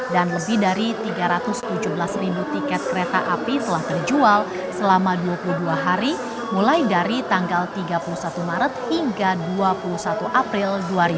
dan lebih dari tiga ratus tujuh belas tiket kereta api telah terjual selama dua puluh dua hari mulai dari tanggal tiga puluh satu maret hingga dua puluh satu april dua ribu dua puluh empat